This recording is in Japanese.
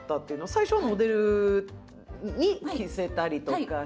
最初はモデルに着せたりとかして。